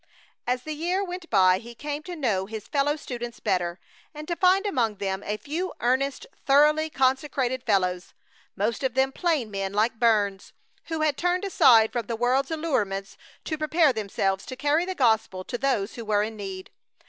As the year went by he came to know his fellow students better, and to find among them a few earnest, thoroughly consecrated fellows, most of them plain men like Burns, who had turned aside from the world's allurements to prepare themselves to carry the gospel to those who were in need.